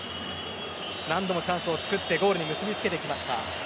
何度もチャンスを作ってゴールに結び付けてきました。